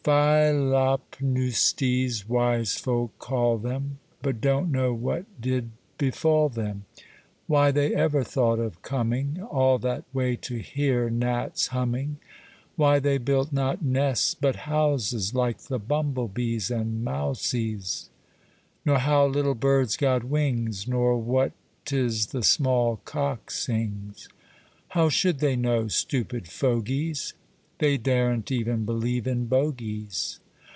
Phyllopneustes wise folk call them, But don't know what did befall them, Why they ever thought of coming All that way to hear gnats humming, Why they built not nests but houses, Like the bumble bees and mousies. Nor how little birds got wings, Nor what 'tis the small cock sings How should they know stupid fogies? They daren't even believe in bogies.